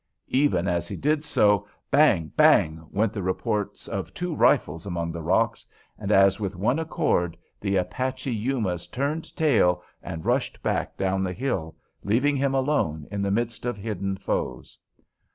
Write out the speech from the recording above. Even as he did so, bang! bang! went the reports of two rifles among the rocks, and, as with one accord, the Apache Yumas turned tail and rushed back down the hill, leaving him alone in the midst of hidden foes.